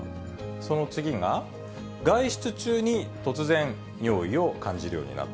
その次が、外出中に突然、尿意を感じるようになった。